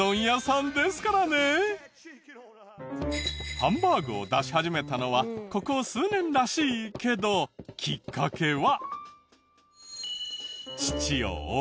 ハンバーグを出し始めたのはここ数年らしいけどきっかけは。